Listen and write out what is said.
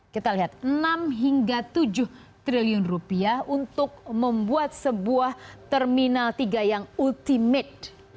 kita lihat enam hingga tujuh triliun rupiah untuk membuat sebuah terminal tiga yang ultimate